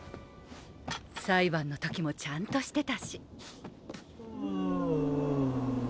裁判の時もちゃんとしてたし。